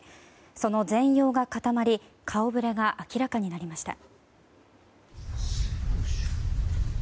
その全容が固まり顔ぶれが明らかになりました。